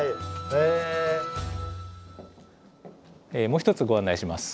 もう一つご案内します。